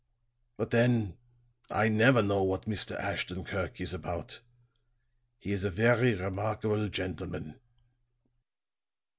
But then, I never know what Mr. Ashton Kirk is about. He is a very remarkable gentleman."